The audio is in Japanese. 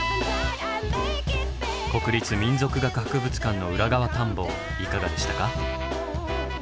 国立民族学博物館の裏側探訪いかがでしたか？